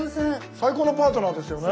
最高のパートナーですよね。